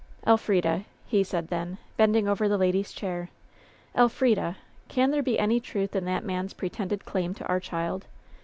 *' "Elf rida," he said then, bending over the lady's chair, "Elfridal can there be any truth in that man'3 pre tended claim to our child